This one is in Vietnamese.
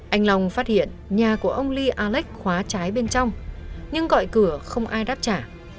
anh long phát hiện nhà của ông lee alex khóa trái bên trong nhưng gọi cửa không ai đáp trả